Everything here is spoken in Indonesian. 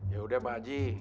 ya udah pak aji